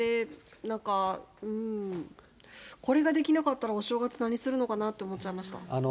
なんか、うーん、これができなかったらお正月、何するのかなって思っちゃいました。